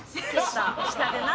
下でな。